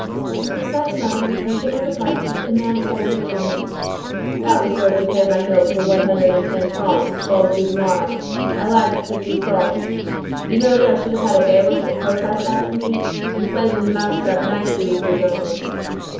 When Cosette's mother had taken her departure, the man said to the woman:— "That will serve to pay my note for one hundred and ten francs which falls due to morrow; I lacked fifty francs. Do you know that I should have had a bailiff and a protest after me? You played the mouse trap nicely with your young ones."